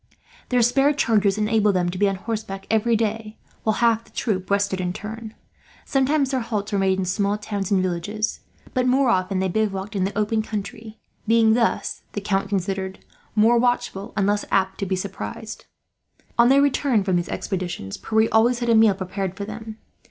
Their spare chargers enabled them to be on horseback every day, while half the troop rested in turn. Sometimes their halts were made in small towns and villages, but more often they bivouacked in the open country; being thus, the Count considered, more watchful and less apt to be surprised. On their return from these expeditions, Pierre always had a meal prepared for them.